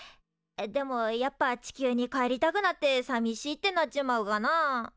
でもやっぱ地球に帰りたくなってさみしいってなっちまうかな？